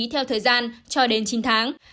theo thời gian cho đến chín tháng